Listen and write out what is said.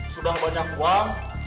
sudah banyak uang